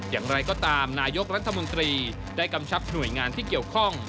อย่างไรก็ตามนายกรัฐมนตรีได้กำชับหน่วยงานที่เกี่ยวข้อง